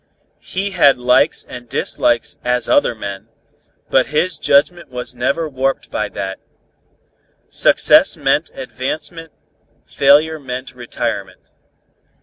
He had likes and dislikes as other men, but his judgment was never warped by that. Success meant advancement, failure meant retirement.